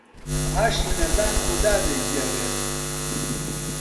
ئاشی نەزان خوا دەیگێڕێت.